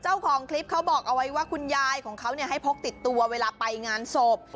เจ้าของคลิปเขาบอกเอาไว้ว่าคุณยายของเขาให้พกติดตัวเวลาไปงานศพ